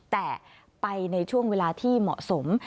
แต่ไปในช่วงเวลาที่เหมาะสม